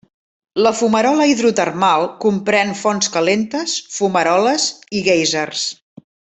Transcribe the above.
La fumarola hidrotermal comprèn fonts calentes, fumaroles i guèisers.